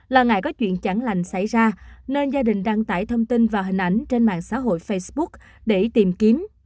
lần này có chuyện chẳng lành xảy ra nên gia đình đăng tải thông tin và hình ảnh trên mạng xã hội facebook để tìm kiếm